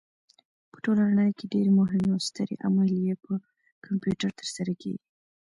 په ټوله نړۍ کې ډېرې مهمې او سترې عملیې په کمپیوټر ترسره کېږي.